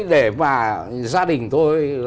để mà gia đình tôi